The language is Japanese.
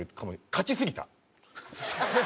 勝ちすぎた？